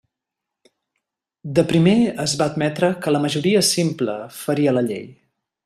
De primer es va admetre que la majoria simple faria la llei.